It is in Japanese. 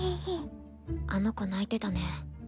あの子泣いてたね。